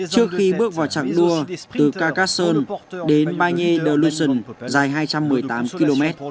trước khi bước vào trạng đua từ carcassonne đến bagne de luzon dài hai trăm một mươi tám km